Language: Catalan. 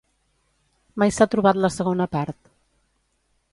Mai s'ha trobat la segona part.